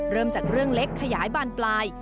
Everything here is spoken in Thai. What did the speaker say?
เริ่มจากเรื่องเล็กขยายบานปลาย